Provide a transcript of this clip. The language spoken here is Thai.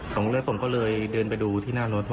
ผมเลยคนก็เลยเดินไปดูที่หน้ารถ